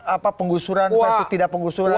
apa pengusuran versus tidak pengusuran